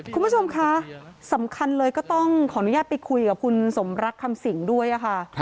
คุณผู้ชมคะสำคัญเลยก็ต้องขออนุญาตไปคุยกับคุณสมรักคำสิงด้วยค่ะ